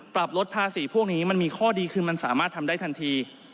ปรับลดภาษีพวกนี้มันมีข้อดีคือมันสามารถทำได้ทันที